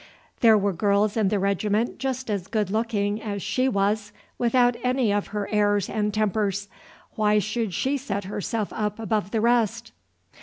There were girls in the regiment just as good looking as she was without any of her airs and tempers. Why should she set herself up above the rest?